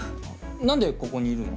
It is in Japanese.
何で、ここにいるの？